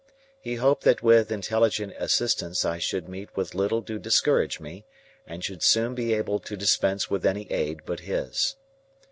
He hoped that with intelligent assistance I should meet with little to discourage me, and should soon be able to dispense with any aid but his.